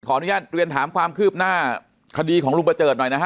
อนุญาตเรียนถามความคืบหน้าคดีของลุงประเจิดหน่อยนะฮะ